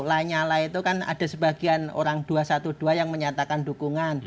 lanyala itu kan ada sebagian orang dua ratus dua belas yang menyatakan dukungan